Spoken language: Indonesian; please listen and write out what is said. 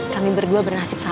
kami berdua bernasib sama